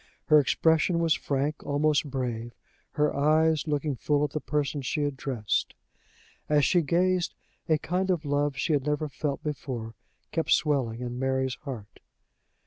Her expression was frank, almost brave, her eyes looking full at the person she addressed. As she gazed, a kind of love she had never felt before kept swelling in Mary's heart.